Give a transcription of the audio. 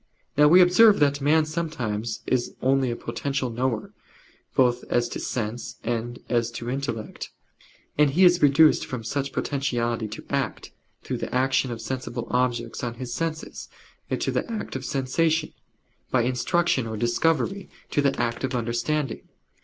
Now we observe that man sometimes is only a potential knower, both as to sense and as to intellect. And he is reduced from such potentiality to act through the action of sensible objects on his senses, to the act of sensation by instruction or discovery, to the act of understanding.